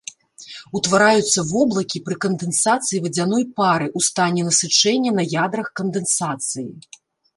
Утвараюцца воблакі пры кандэнсацыі вадзяной пары ў стане насычэння на ядрах кандэнсацыі.